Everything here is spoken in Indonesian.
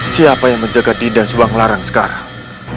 siapa yang menjaga dinda subanglarang sekarang